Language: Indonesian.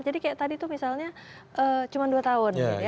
jadi kayak tadi itu misalnya cuma dua tahun